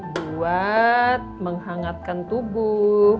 buat menghangatkan tubuh